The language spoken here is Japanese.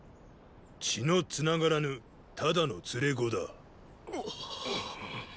血のつながらぬただの連れ子だ。！